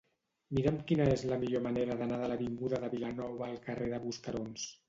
Mira'm quina és la millor manera d'anar de l'avinguda de Vilanova al carrer de Buscarons.